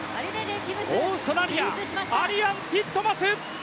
オーストラリアアリアン・ティットマス。